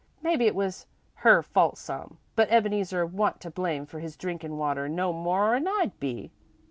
Mebbe it was her fault some, for Ebeneezer wa'n't to blame for his drinkin' water no more 'n I'd be.